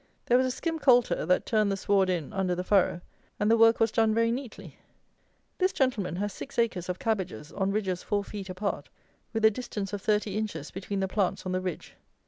There was a skim coulter that turned the sward in under the furrow; and the work was done very neatly. This gentleman has six acres of cabbages, on ridges four feet apart, with a distance of thirty inches between the plants on the ridge.